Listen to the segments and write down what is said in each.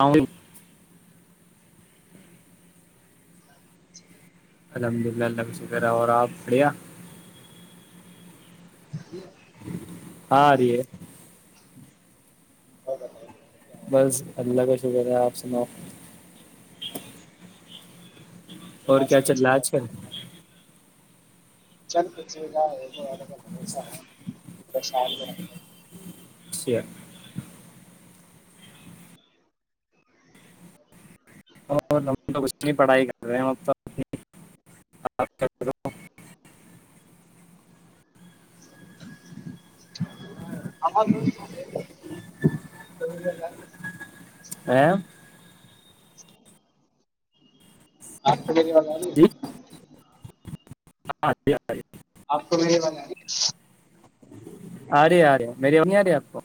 اور ہ جھیک الحمد للہ اللہ کا شکر ہے اور آپ بڑھیا ہاں ا رہ ہے اور بتائیں بس اللہ کا شکر ہے آپ سناؤ اور یہاں کیا سے چللاج کر چل پھ اھ اور ہم اسچنی پڑھائی کر رہے ہیں ا تو آ ا ری وال آی ہاں ج آپ کو میں یہ بن رہ ارے آرے میری امیمی آ رہی ہے آپ کو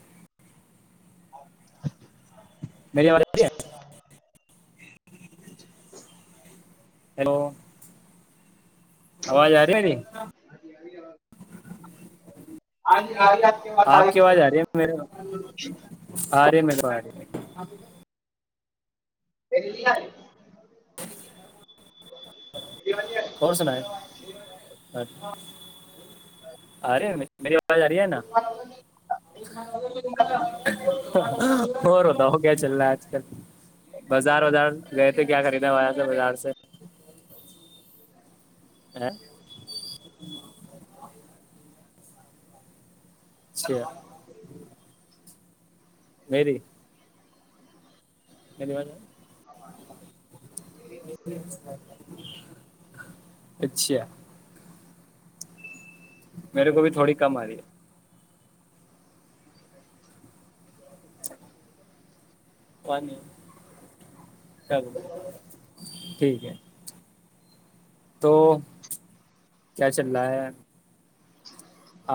میری آ ہیلو آواز آ رہی ای ہے آپ کی آواز آ رہی میر آ رہے م ب سری ہے اور سنا ہے آے میری آواز آ رہی ہے نا اور ہوتا ہو کیا چل رہا ہے آج کل بازار وازار گئے تھے کیا خریدا سے بازار سے ا سی مری دنی وج اچھا میرے کو بھی تھوڑی کم آ رہی ہے ٹھیک ہے تو کیا چل رہا ہے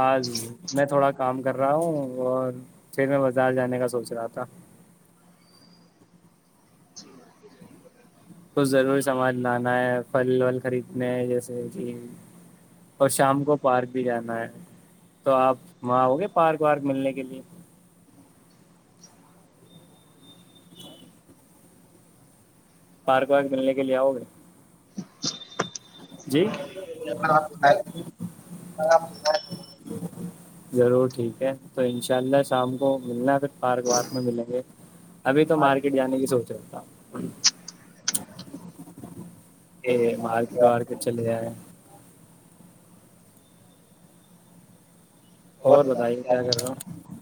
آج میں تھوڑا کام کر رہا ہوں اور پھر میں بازار جانے کا سوچ رہا تھا کچھ ضرور سامان لانا ہے پھل ول خریدنے ہے جیسے کہ اور شام کو پارک بھی جانا ہے تو آپ وہاں ہو گے پارک وارک ملنے کے لیے اچ ہ پارک وگ د ن لے کےے ہو [unintelligible] جی آپ آپ ضرور ٹھیک ہے تو انشاء اللہ شام کو ملنا پھر پارک وارک میں ملیں گے ابھی تو مارکیٹ جانے کی سوچ ہے [unintelligible] یہ مارکیٹ وارکیٹ چلے ہے اور بتائیے کیا کر رہا ہوں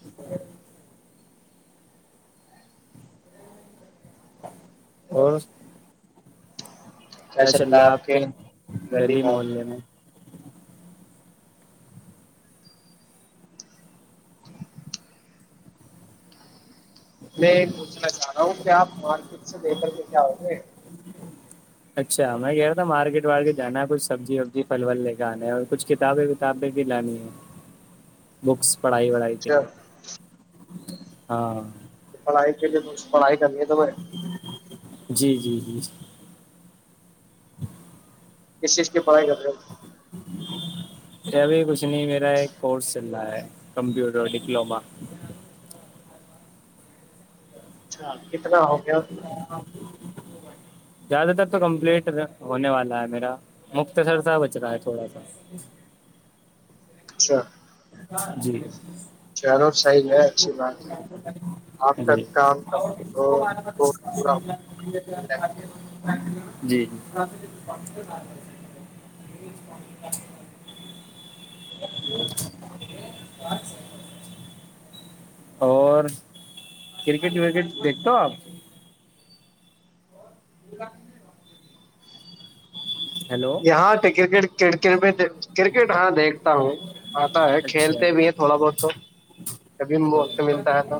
[unintelligible] اور [unintelligible] کیا چل رہا آپ کے گلی محلے میں [unintelligible] میں یہ پوچھنا چاہ رہا ہوں کہ آپ مارکیٹ سے دے کر کے کیا ہ گے [unintelligible] اچھا میں کہہ رہا تھا مارکیٹ وارکیٹ جانا ہے کچھ سبزی وبزی پھل ول لے کے آنا ہے اور کچھ کتابیں کتابیں بھی لانی ہے بکس [unintelligible] پڑھائی وڑھائی کے لیے [unintelligible] ہاں [unintelligible] پ آ کےے ب [unintelligible] پڑ آئی چلیے تو بر [unintelligible] جی جی جی [unintelligible] ک شش کے [unintelligible] پڑھائی کرتے [unintelligible] کیا بھی کچھ [unintelligible] میرا ایک کورس چل رہا ہے [unintelligible] کمپیوٹر ڈپلما [unintelligible] چ [inaudible] [inaudible] زیادہ تر تو کمپلیٹ ہونے والا ہے میرا مختصر سا بچ رہا ہے تھوڑا سا [unintelligible] اچھا [inaudible] جی صحیح ہے اچھی بات ہے آپ کا کام کمپلیٹ ہو تو پورا ہو۔ [inaudible] [inaudible] جی جی [unintelligible] اور کرکٹ وکٹ دیکھتے ہو آپ [unintelligible] [inaudible] ہیلو یہاں پ کرکٹ کڑک میں [unintelligible] کرکٹ ہاں دیکھتا ہوں [unintelligible] آتا ہے کھیلتے بھی ہیں تھوڑا بہت تو تو [unintelligible] موقع ملتا ہے تو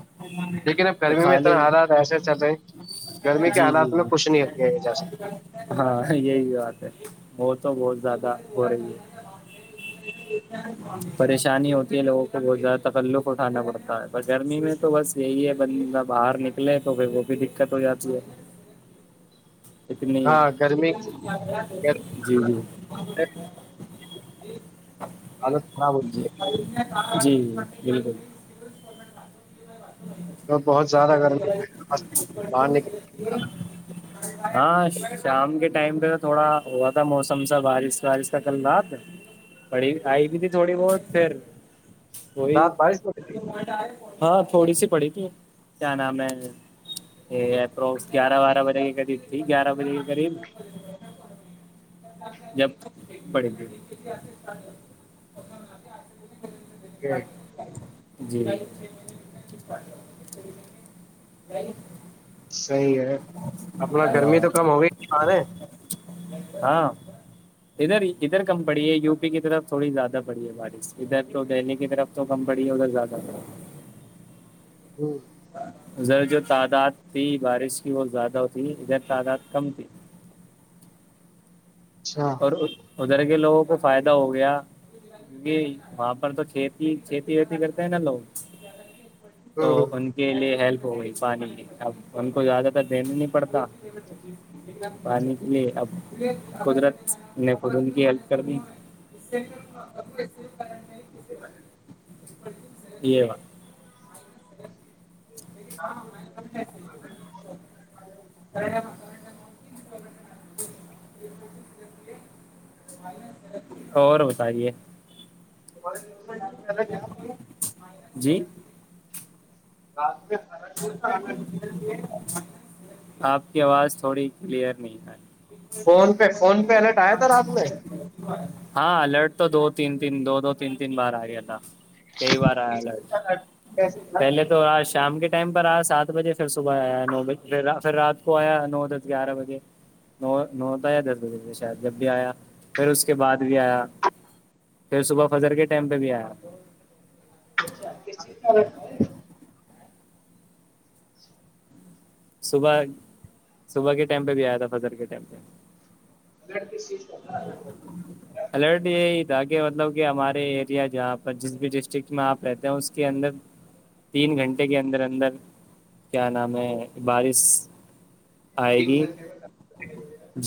لیکن اب تو گرمی میں اتنا خالی حالات ایسے چل رہے ہیں، گرمی کے جی جی جی حالات میں کچھ نہیں کیا جا سکتا ہاں یہی بات ہے [unintelligible] وہ تو بہت زیادہ ہو رہی ہے پریشانی ہوتی ہے لوگوں کو بہت زیادہ تکلق ہو [unintelligible] کھانا پڑتا ہے پر گرمی میں تو بس یہی ہے بندندہ باہر نکلے تو پھر وہ بھی دقت ہو جاتی ہے [unintelligible] اتنی ہاں گرمی کی جی جی [unintelligible] [unintelligible] [unintelligible] [inaudible] تو بہت زیادہ گرمی بالکل بنے ہاں شام کے ٹائم پہ تو تھوڑا ہوا تھا موسم سا بارش وارش تھا کل رات پڑی آئی بھی تھی تھوڑی بہت پھر کوئی رات بارش میں ہاں تھوڑی سی پڑی تھی کیا نام ہے یہ روزیار وار ورے کرد گیارہ بجے کے قریب جب پڑی [unintelligible] یہ جی بھائی جچ صحیح ہے اپنا گرمی تو کم ہوگئیے ہاں ادھر ادھر کم پڑی ہے یو پی کی طرف تھوڑی زیادہ پڑی ہے بارش ادھر تو دہلی کی طرف تو کم پڑی ہے ادھر زیادہ پڑی ہوں ذرا جو تعداد تھی بارش بت زیادہ ہوتیھی ادھر تعداد کم تھی اچھا اور ادھر کے لوگوں کو فائدہ ہو گیا کیکہ وہاں پر تو کھیتی کھیتی ویتی کرتے ہیں نا لوگ تو ہ ان کے لیے ہیلپ ہو گئی پانی کی اب ان کو زیادہ تر دین ہی نہیں پڑتا پانی کے لیے اب قدرت [unintelligible] نے خود ان کی ہیلپ کر دی [unintelligible] ا [inaudible] ہاں [inaudible] اور بتائیے [inaudible] [unintelligible] [unintelligible] [inaudible] آپ کی آواز تھوڑی کلیئر نہیں ہے فون پہ فون پہ الرٹ آیا تھا رات میں [inaudible] ہاں الرٹ تو دو تین تین دو دو تین تین بار آ گیا تھا کئی بار آیا کس ل پہلے تو آج شام کے آیا سات بجے پھر صبح آیا نو بج پھر رات کو آیا نو دس گیارہ بجے نو نو یا دس بجے شاید جب بھی آیا پھر اس کے بعد بھی آیا پھر صبح فجر کے ٹائم پہ بھی آیا اچھا [unintelligible] صبح صبح کے ٹائم پہ بھی آیا تھا فضر کے ٹائم پہ [unintelligible] ت کے مطلب کہ ہمارے ایریا جہاں پر جس بھی ڈسٹرکٹ میں آپ رہتے ہیں اس کے اندر تین گھنٹے کے اندر اندر کیا نام ہے بارش آئے تین گی گھنٹے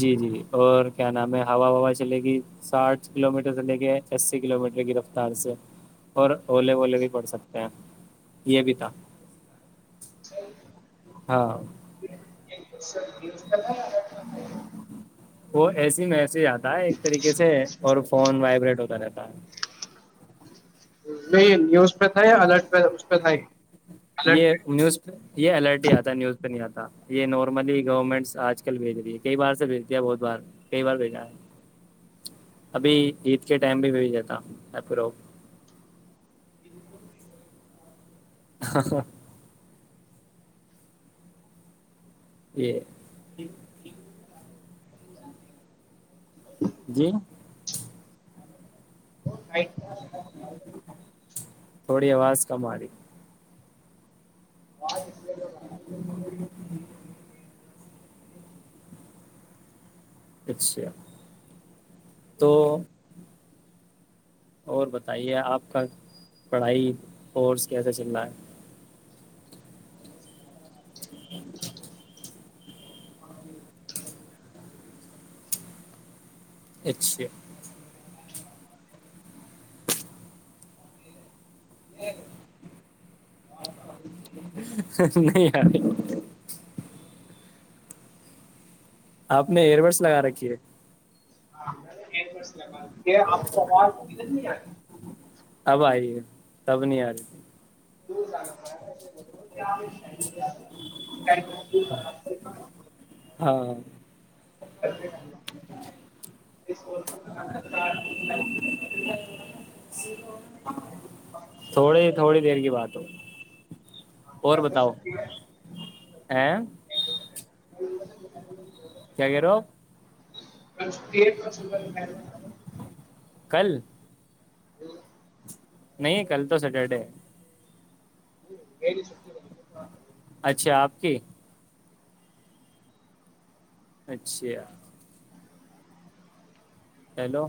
جی جی اور کیا نام ہے ہوا وا چلے گئی ساٹھ کلو میٹر چلے گئے اسی کلو میٹر کی رفتار سے اور اولے وولے بھی پڑ سکتے ہیں یہ بھی تھا [unintelligible] چی [unintelligible] ہاں [unintelligible] نیز [inaudible] وہ ایسی ہی میں آتا ہے ایک طریقے سے اور فون وائبریٹ ہوتا رہتا ہے نہیں نیوز [unintelligible] است الرٹ کا اس کا ہے یہ نیوز پ یہ الرٹی ہی آتا ہے نیوز پہ نہیں آتا یہ نارملی گورنمنٹ آج کل بھیج رہی ہے کئی بار سے بھیج دیا بہت بار کئی بار بھیجا ہے ابھی عید کے ٹائم بھی بھیج دیتا ہ [unintelligible] ج [unintelligible] جی [inaudible] تھوڑی آواز کم آ رہی آوج اس لیے تو [unintelligible] اچھا تو [unintelligible] اور بتائیے آپ کا پڑھائی کورس کیسے چل رہا ہے اچ [unintelligible] اچھا [unintelligible] [inaudible] نہیں ار [unintelligible] آپ نے ایئر بڈس لگا رکھی ہے ہاں [unintelligible] یہ آپ کو آواز مل نہیں آ [unintelligible] اب آ رہی ہے سب نہیں آ رہی ہے دور جا ہاں [unintelligible] ا [inaudible] اس ہاں [unintelligible] [unintelligible] تھوڑی تھوڑی دیر کی بات ہو اور بتاؤ ا [unintelligible] گے [unintelligible] کیا کہیرو [unintelligible] پرس [unintelligible] کل [unintelligible] نہیں کل تو سٹرڈے [unintelligible] اچھا آپ کی اچھا ہیلو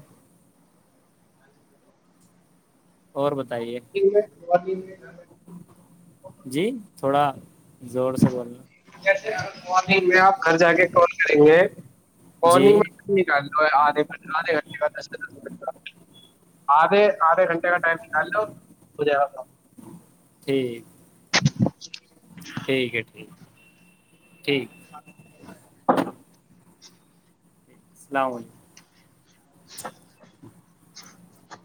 اور بتائیے جی تھوڑا زور سے بول جیسے مارننگ میں آپ گھر جا کے کال کریں گے جی مارنگ میںالدھے گ آدھے گھنٹے کا دس سے د آد آدھے گھنٹے کا ٹائم نکال لو ہو جائے گا ٹھیک ٹھیک ہے ٹھیک ہے ٹھیک [unintelligible] السلام علیکم [unintelligible]